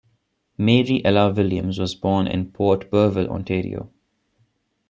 Mary Ella Williams was born in Port Burwell, Ontario.